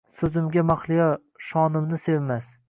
Soʼzimga mahliyo, shonimni sevmas